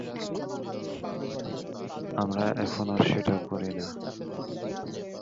আমরা এখন আর সেটা করি না।